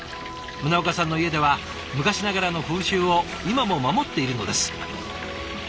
宗岡さんの家では昔ながらの風習を今も守っているのです。